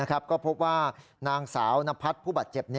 ก็พบว่านางสาวนพัฒน์ผู้บาดเจ็บ